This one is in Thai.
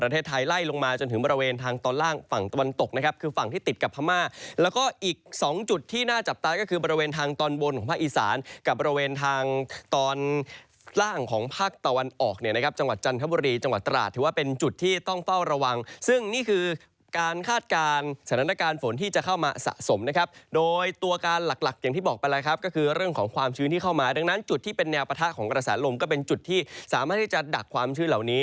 ติดกับพม่าแล้วก็อีกสองจุดที่น่าจับตาก็คือบริเวณทางตอนบนของภาคอีสานกับบริเวณทางตอนล่างของภาคตะวันออกเนี่ยนะครับจังหวัดจันทบุรีจังหวัดตราชถือว่าเป็นจุดที่ต้องเฝ้าระวังซึ่งนี่คือการคาดการณ์สนักการณ์ฝนที่จะเข้ามาสะสมนะครับโดยตัวการหลักอย่างที่บอกไปแล้วครับก็คือ